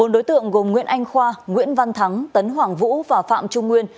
bốn đối tượng gồm nguyễn anh khoa nguyễn văn thắng tấn hoàng vũ và phạm trung nguyên